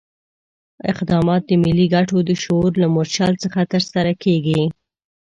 اقدامات د ملي ګټو د شعور له مورچل څخه ترسره کېږي.